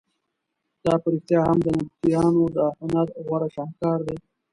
دا په رښتیا هم د نبطیانو د هنر غوره شهکار دی.